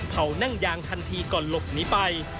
เผานั่งยางทันทีก่อนหลบหนีไป